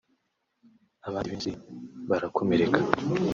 abandi benshi barakomereka